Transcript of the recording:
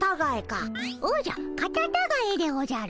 おじゃカタタガエでおじゃる。